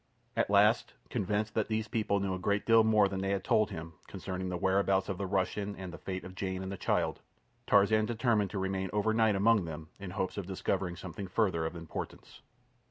At last, convinced that these people knew a great deal more than they had told him concerning the whereabouts of the Russian and the fate of Jane and the child, Tarzan determined to remain overnight among them in the hope of discovering something further of importance.